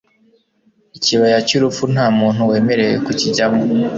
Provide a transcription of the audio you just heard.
ikibaya cy'urupfu ntamuntu wemerewe kukijyamo